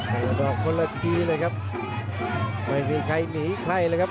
มุมตึกโจ้โต้คนละทีเลยครับไม่มีใครหนีอีกใครเลยครับ